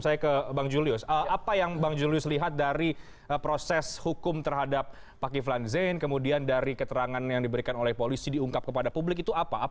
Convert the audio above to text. saya ke bang julius apa yang bang julius lihat dari proses hukum terhadap pak kiflan zain kemudian dari keterangan yang diberikan oleh polisi diungkap kepada publik itu apa